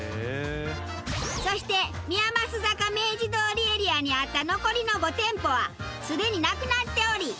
そして宮益坂・明治通りエリアにあった残りの５店舗はすでになくなっており。